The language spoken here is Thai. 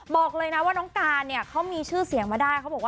บอกเลยนะว่าน้องการเนี่ยเขามีชื่อเสียงมาได้